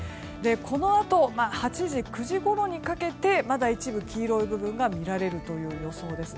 このあと８時、９時ごろにかけてまだ一部黄色い部分が見られるという予想です。